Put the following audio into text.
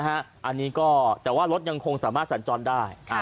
อันนี้ก็แต่ว่ารถยังคงสามารถสัญจรได้